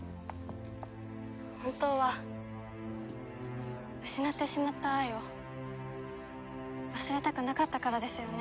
本当は失ってしまった愛を忘れたくなかったからですよね？